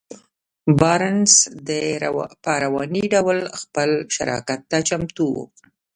بارنس په رواني ډول خپل شراکت ته چمتو و.